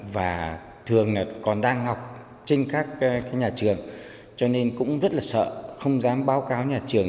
và thường còn đang học trên các nhà trường cho nên cũng rất là sợ không dám báo cáo nhà trường